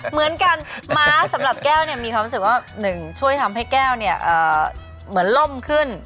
เหมือนกันม้าสำหรับแก้วเนี่ยมีความรู้สึกว่าหนึ่งช่วยทำให้แก้วเนี่ยเหมือนล่มขึ้น